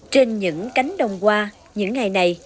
trên những cánh đồng hoa những ngày này